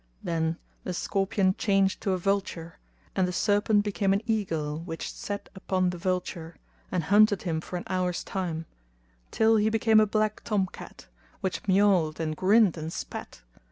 Then the scorpion changed to a vulture and the serpent became an eagle which set upon the vulture, and hunted him for an hour's time, till he became a black tom cat, which miauled and grinned and spat.